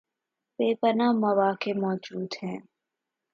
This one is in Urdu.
بے پناہ مواقع موجود ہیں